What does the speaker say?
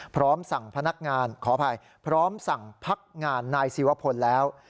พร้อมสั่งพนักงานขออภัยพร้อมสั่งพักงานนายศิวพลแล้ว